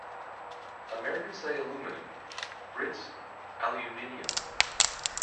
Americans say aluminum, Brits aluminium